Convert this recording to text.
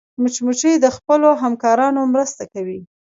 مچمچۍ د خپلو همکارانو مرسته کوي